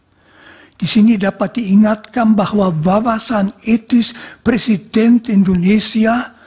ya di sini dapat diingatkan bahwa wawasan etis presiden indonesia